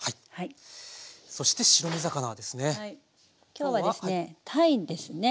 今日はですねたいですね。